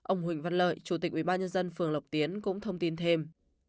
ông huỳnh văn lợi chủ tịch ubnd phường lộc tiến cũng thông tin thêm